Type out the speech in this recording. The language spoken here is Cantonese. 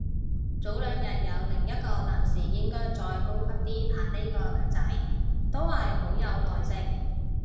早兩日有另一個男士應該再高級啲拍呢個女仔，都係好有耐性